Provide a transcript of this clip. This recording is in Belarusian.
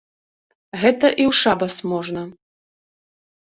Гэта і ў шабас можна!